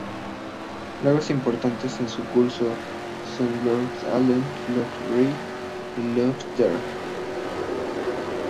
Lagos importantes en su curso son Lough Allen, Lough Ree y Lough Derg.